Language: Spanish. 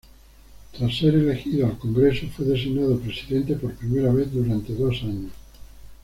Tras ser elegido al Congreso fue designado Presidente por primera vez, durante dos años.